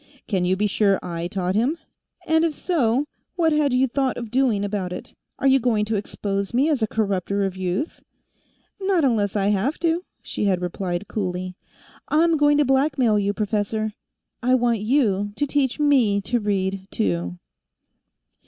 "Can you be sure I taught him? And if so, what had you thought of doing about it? Are you going to expose me as a corrupter of youth?" "Not unless I have to," she had replied coolly. "I'm going to blackmail you, professor. I want you to teach me to read, too."